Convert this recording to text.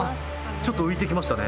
ちょっと浮いてきましたね。